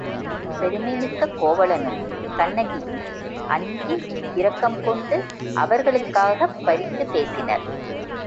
பெருமை மிக்க கோவலனும் கண்ணகியும் அஞ்சி இரக்கம் கொண்டு அவர்களுக்காகப் பரிந்து பேசினர்.